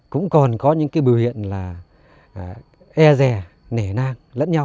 cũng còn có những cái biểu hiện là e rè nang lẫn nhau